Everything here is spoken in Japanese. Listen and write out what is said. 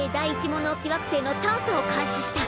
モノオキ惑星の探査を開始した！